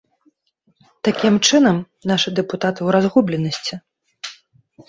Такім чынам, нашы дэпутаты ў разгубленасці.